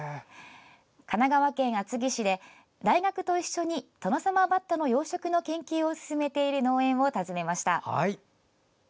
神奈川県厚木市で大学と一緒にトノサマバッタの養殖の研究を進めている農園を訪ねました。